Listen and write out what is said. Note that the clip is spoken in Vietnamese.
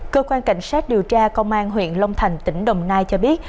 cơ quan cảnh sát điều tra công an huyện long thành tỉnh đồng nai cho biết